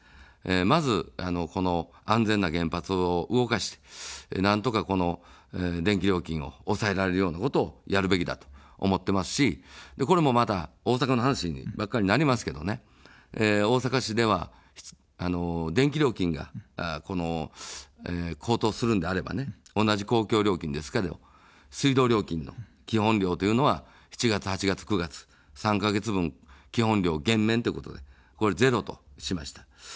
まず、この安全な原発を動かして、なんとかこの電気料金を抑えられるようなことをやるべきだと思ってますし、これもまた大阪の話ばかりになりますけどね、大阪市では、電気料金が、この高騰するのであれば、同じ公共料金ですけれども水道料金の基本料というのは７月、８月、９月、３か月分基本料減免としてこれゼロとしました。